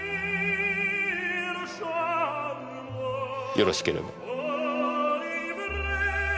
よろしければ。